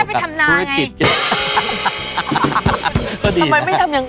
แม่ไปทำนาไง